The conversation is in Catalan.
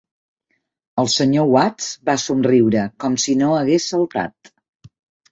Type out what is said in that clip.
El Sr. Watts va somriure com si no hagués saltat.